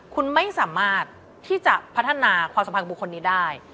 คุณไม่สามารถที่จะพัฒนาความสัมพันธ์บุคคลนี้ได้